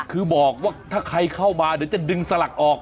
คือบอกว่าถ้าใครเข้ามาเดี๋ยวจะดึงสลักออก